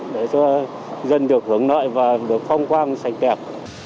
để cho dân được hướng nội và được phong quan sạch kẹp